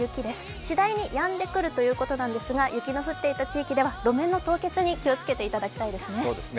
次第にやんでくるということですが、雪の降っていた地域では路面の凍結に気をつけていただきたいですね。